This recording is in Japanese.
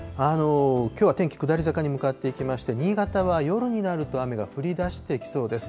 きょうは天気、下り坂に向かっていきまして、新潟は夜になると雨が降りだしてきそうです。